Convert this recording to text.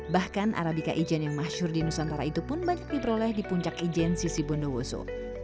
bahkan arabica ijen yang masyur di nusantara itu pun banyak diperoleh di puncak ijen sisi bondowoso